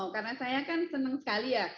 karena saya kan senang sekali ya